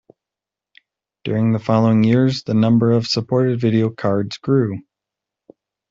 During the following years the number of supported video cards grew.